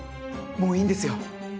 もういいんですよ。